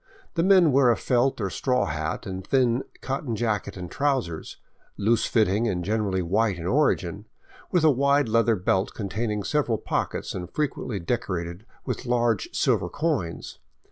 The men wear a felt or straw hat and thin cotton jacket and trousers, loose fitting and generally white in origin, with a wide leather belt containing several pockets and frequently decorated with large silver coins.